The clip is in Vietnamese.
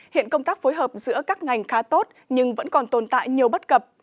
hiện công tác phối hợp giữa các ngành khá tốt nhưng vẫn còn tồn tại nhiều bất cập